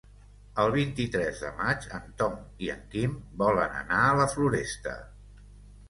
El vint-i-tres de maig en Tom i en Quim volen anar a la Floresta.